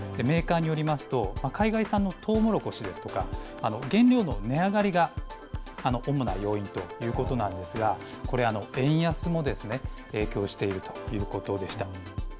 メーカーによりますと、海外産のトウモロコシですとか、原料の値上がりが主な要因ということなんですが、これ、円安も影響しているということでした。